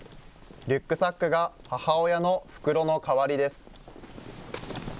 リュックサックが母親の袋の代わりです。